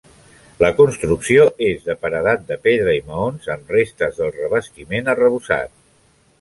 La construcció és de paredat de pedra i maons, amb restes del revestiment arrebossat.